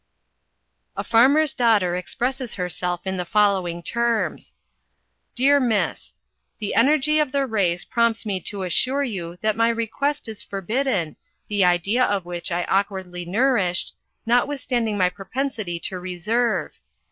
A farmer's daughter expresses herself in the following terms: "Dear Miss: "The energy of the race prompts me to assure you that my request is forbidden, the idea of which I awkwardly nourished, notwithstanding my propensity to reserve.